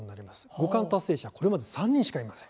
五冠達成者はこれまで３人しかいません。